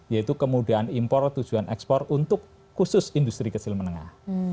yaitu kemudahan impor tujuan ekspor untuk khusus industri kecil menengah